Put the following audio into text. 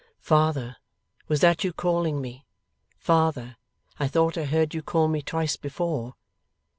Father, was that you calling me? Father! I thought I heard you call me twice before!